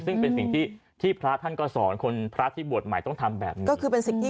ซึ่งเป็นสิ่งที่พระท่านก็สอนคนพระที่บวชใหม่ต้องทำแบบนี้